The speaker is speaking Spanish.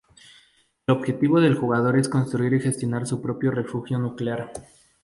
El objetivo del jugador es construir y gestionar su propio refugio nuclear.